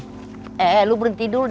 eh lu berhenti dulu